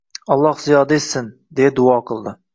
Alloh ziyoda etsin, deya duo qildi.